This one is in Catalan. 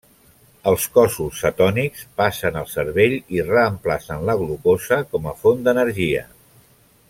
Els cossos cetònics passen al cervell i reemplacen la glucosa com a font d'energia.